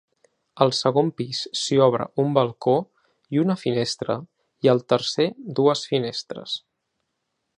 Al segon pis s'hi obre un balcó i una finestra i al tercer dues finestres.